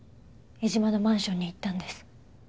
江島のマンションに行ったんです。